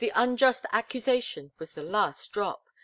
] unjust accusation was the last drop.